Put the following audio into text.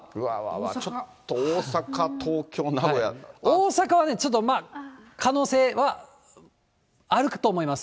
ちょっと、大阪、東京、大阪はね、ちょっと可能性はあると思います。